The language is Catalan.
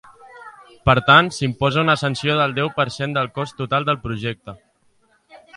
Per tant, s’imposa una sanció del deu per cent del cost total del projecte.